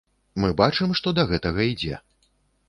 Мы бачым, што да гэтага ідзе.